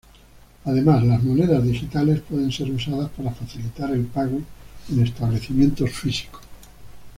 Además, las monedas digitales pueden ser usadas para facilitar el pago en establecimientos físicos.